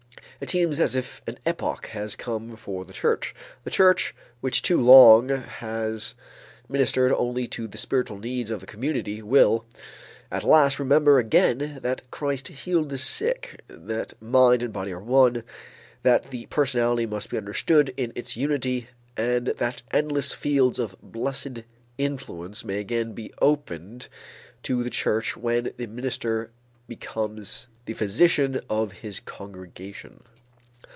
It seems as if an epoch has come for the church the church which too long has ministered only to the spiritual needs of the community will at last remember again that Christ healed the sick, that mind and body are one, that the personality must be understood in its unity, and that endless fields of blessed influence may again be opened to the church when the minister becomes the physician of his congregation.